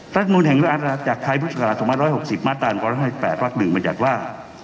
รัฐมูลแห่งรัฐธรรมศาสตร์จากไทยปรุษภาษาสมรรถ๑๖๐มาตรา๑๘๘หรัก๑บัญญัติว่า